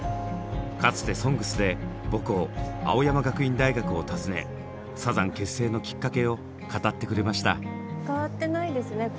かつて「ＳＯＮＧＳ」で母校青山学院大学を訪ねサザン結成のきっかけを語ってくれました。